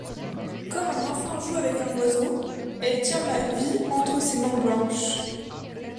Comme un enfant joue avec un oiseau, Elle tient ma vie entre ses mains blanches.